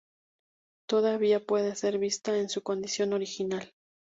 Todavía puede ser vista en su condición original.